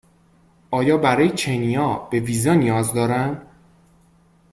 آیا برای کنیا به ویزا نیاز دارم؟